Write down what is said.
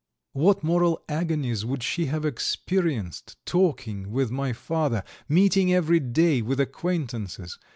What moral agonies would she have experienced, talking with my father, meeting every day with acquaintances?